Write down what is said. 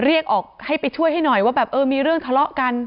เรียกออกให้ไปช่วยให้หน่อยว่าแบบเออมีเรื่องทะเลาะกัน